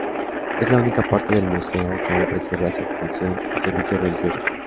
Es la única parte del museo que aun preserva su función y servicios religiosos.